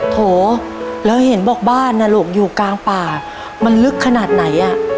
โถแล้วเห็นบอกบ้านนะลูกอยู่กลางป่ามันลึกขนาดไหนอ่ะ